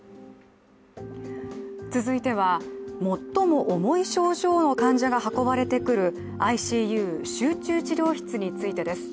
続いては、最も重い症状の患者が運ばれてくるＩＣＵ集中治療室についてです。